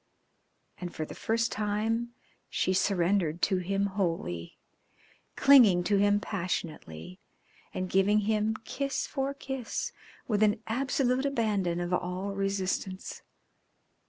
And for the first time she surrendered to him wholly, clinging to him passionately, and giving him kiss for kiss with an absolute abandon of all resistance.